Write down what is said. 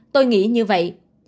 tôi nghĩ như vậy